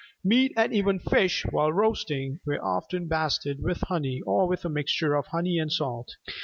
Meat, and even fish, while roasting, were often basted with honey or with a mixture of honey and salt.